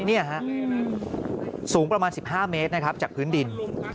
นี่ฮะสูงประมาณ๑๕เมตรนะครับจากพื้นดิน